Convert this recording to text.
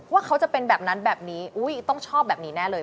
ว่าเขาจะเป็นแบบนั้นแบบนี้ต้องชอบแบบนี้แน่เลย